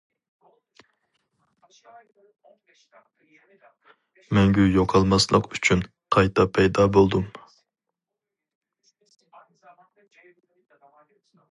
مەڭگۈ يوقالماسلىق ئۈچۈن قايتا پەيدا بولدۇم!